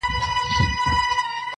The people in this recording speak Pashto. ما درته ویل چي په اغیار اعتبار مه کوه!.